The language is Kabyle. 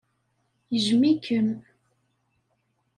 Yejjem-ikem.